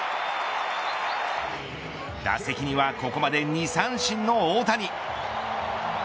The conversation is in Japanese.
打席にはここまで２三振の大谷。